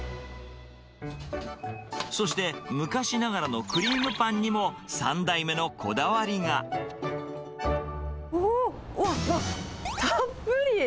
そして、昔ながらのクリームパンにも、おー、うわっ、うわっ、たっぷり。